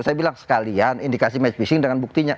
saya bilang sekalian indikasi match phishing dengan buktinya